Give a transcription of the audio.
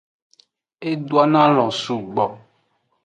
E donoalon sugbo.